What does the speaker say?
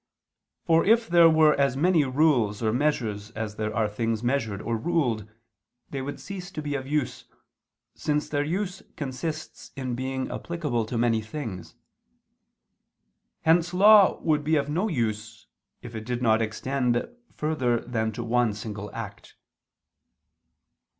For if there were as many rules or measures as there are things measured or ruled, they would cease to be of use, since their use consists in being applicable to many things. Hence law would be of no use, if it did not extend further than to one single act.